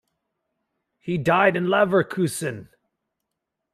He died in Leverkusen.